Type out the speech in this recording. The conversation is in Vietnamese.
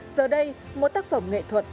giờ đây một tác phẩm nghệ thuật